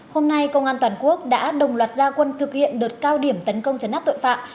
hôm nay công an toàn quốc đã đồng loạt gia quân thực hiện đợt cao điểm tấn công chấn áp tội phạm